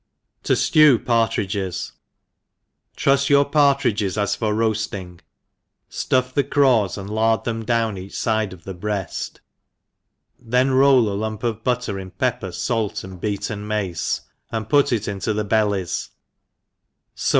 Ti^^w Partridges. TRUSS your partridges as for coafting, ftuff the craws, and lard them down each fide of the bread, then roUalumpof butter in pepper, fait, and beaten mace, and put it into the bellies, few